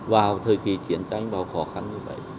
vào thời kỳ chiến tranh và khó khăn như vậy